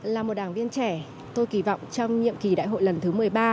là một đảng viên trẻ tôi kỳ vọng trong nhiệm kỳ đại hội lần thứ một mươi ba